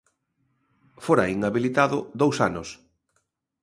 Fora inhabilitado dous anos.